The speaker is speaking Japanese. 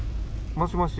もしもし。